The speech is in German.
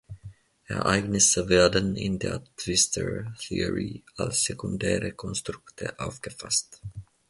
Ereignisse werden in der Twistor-Theorie als sekundäre Konstrukte aufgefasst.